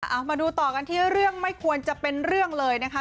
เอามาดูต่อกันที่เรื่องไม่ควรจะเป็นเรื่องเลยนะคะ